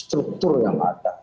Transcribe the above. struktur yang ada